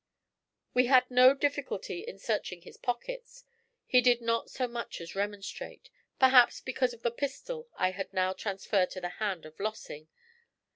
We had no difficulty in searching his pockets; he did not so much as remonstrate perhaps because of the pistol I had now transferred to the hand of Lossing.